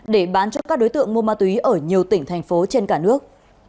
để bán cho các đối tượng mua ma túy ở nhiều tỉnh thành phố trên cả nước